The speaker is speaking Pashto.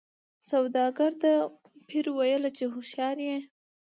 سوداګر ته پیر ویله چي هوښیار یې